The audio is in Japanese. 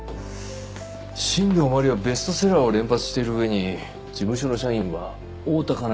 新道真理はベストセラーを連発してる上に事務所の社員は大多香苗